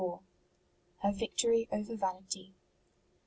HER VICTORY OVER VANITY.